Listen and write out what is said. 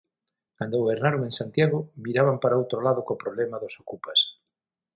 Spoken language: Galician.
Cando gobernaron en Santiago miraban para outro lado co problema dos ocupas.